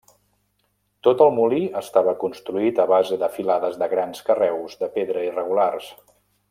Tot el molí estava construït a base de filades de grans carreus de pedra irregulars.